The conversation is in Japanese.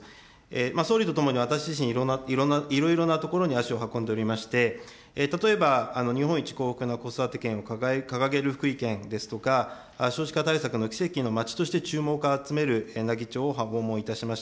総理とともに、私自身、いろんな、いろいろなところに足を運んでおりまして、例えば、日本一幸福な子育て県を掲げる福井県ですとか、少子化対策の奇跡の町として注目を集めるやなぎ町を訪問いたしました。